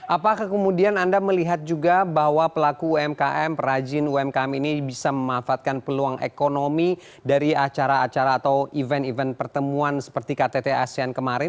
apakah kemudian anda melihat juga bahwa pelaku umkm perajin umkm ini bisa memanfaatkan peluang ekonomi dari acara acara atau event event pertemuan seperti ktt asean kemarin